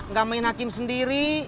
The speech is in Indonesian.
nggak main hakim sendiri